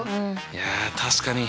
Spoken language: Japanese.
いや確かに。